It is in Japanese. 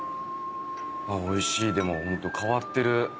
おいしいでも変わってる。